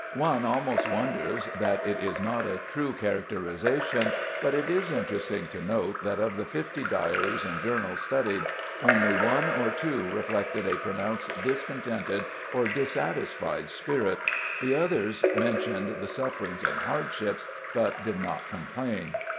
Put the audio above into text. One almost wonders that it is not a true characterization but it is interesting to note that of the fifty diaries and journals studied only one or two reflected a pronounced discontented or dissatisified spirit, the others mentioned the sufferings and hardships but did not complain.